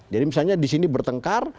jadi misalnya di sini bertengkar